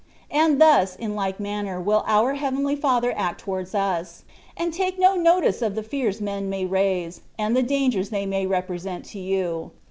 And thus in like manner wiU our Heavenly Father act towards us; and take no notice of the fears men may raise, and the dangers they may represent to you.